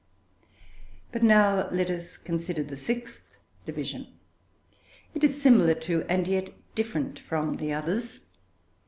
But now let us consider the sixth division. It is similar to, and yet different from, the others.